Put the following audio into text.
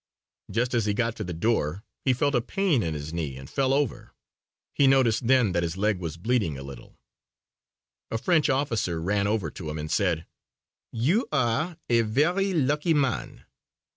Just as he got to the door he felt a pain in his knee and fell over. He noticed then that his leg was bleeding a little. A French officer ran over to him and said: "You are a very lucky man."